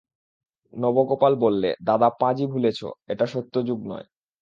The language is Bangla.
নবগোপাল বললে, দাদা পাঁজি ভুলেছ, এটা সত্যযুগ নয়।